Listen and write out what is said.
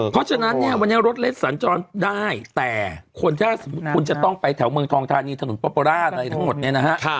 เพราะฉะนั้นวันนี้รถเล็กสารจอดได้แต่คนท่านจะต้องไปแถวเมืองทองทานีถนนประปราศอะไรทั้งหมดเนี่ยนะฮะ